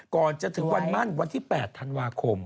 ก่อนจะถึงวันมั่นวันที่๘ธันวาคม